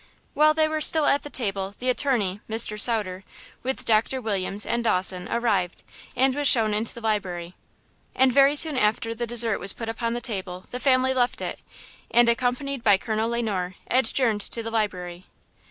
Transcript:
While they were still at the table the attorney, Mr. Sauter, with Doctors Williams and Dawson, arrived, and was shown into the library. And very soon after the dessert was put upon the table the family left it and, accompanied by Colonel Le Noir, adjourned to the library.